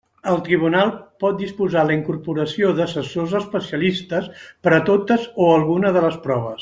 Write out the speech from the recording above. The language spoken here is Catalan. El tribunal pot disposar la incorporació d'assessors especialistes per a totes o alguna de les proves.